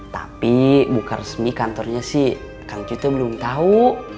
tapi buka resmi kantornya sih kang cuite belum tau